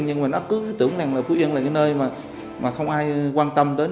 nhưng mà nó cứ tưởng là phú yên là nơi mà không ai quan tâm đến